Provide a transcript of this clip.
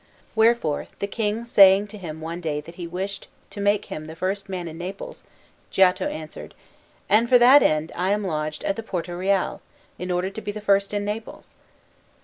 Wherefore, the King saying to him one day that he wished to make him the first man in Naples, Giotto answered, "And for that end am I lodged at the Porta Reale, in order to be the first in Naples."